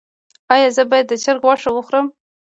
ایا زه باید د چرګ غوښه وخورم؟